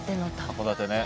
函館ね。